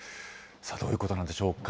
さあ、どういうことなんでしょうか。